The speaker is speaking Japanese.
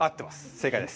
正解です。